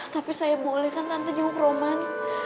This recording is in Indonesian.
tapi saya boleh kan tante jemur ke rumah